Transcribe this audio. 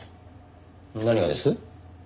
何がです？